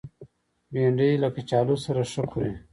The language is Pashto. بېنډۍ له کچالو سره ښه خوري